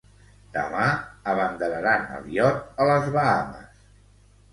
Demà abanderaran el iot a les Bahames.